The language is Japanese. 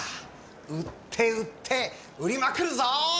売って売って売りまくるぞ！